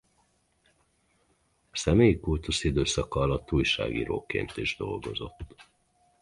A személyi kultusz időszaka alatt újságíróként is dolgozott.